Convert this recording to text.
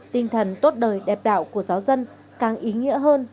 tinh thần tốt đời đẹp đạo của giáo dân càng ý nghĩa hơn